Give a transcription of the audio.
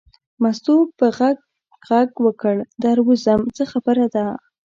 مستو په غږ غږ وکړ در وځم څه خبره ده.